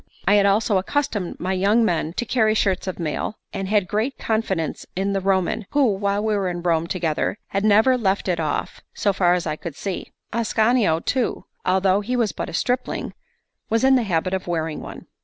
I had also accustomed my young men to carry shirts of mail, and had great confidence in the Roman, who, while we were in Rome together, had never left it off, so far as I could see; Ascanio too, although he was but a stripling, was in the habit of wearing one.